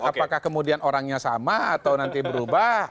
apakah kemudian orangnya sama atau nanti berubah